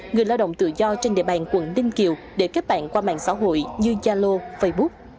người lao động tự do trên địa bàn quận ninh kiều để kết bạn qua mạng xã hội như yalo facebook